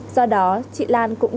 do đó chị lan cũng